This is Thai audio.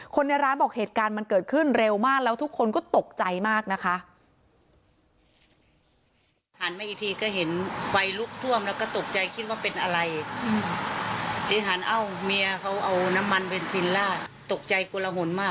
ในร้านบอกเหตุการณ์มันเกิดขึ้นเร็วมากแล้วทุกคนก็ตกใจมากนะคะ